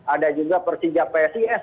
ada juga persinjak psis